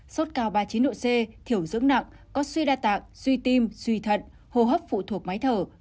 sốt cao ba mươi chín độ c thiểu dưỡng nặng có suy đa tạng suy tim suy thận hô hấp phụ thuộc máy thở